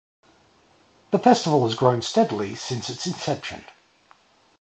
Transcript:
The festival has grown steadily since its inception.